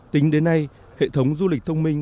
tính đến nay hệ thống du lịch thông minh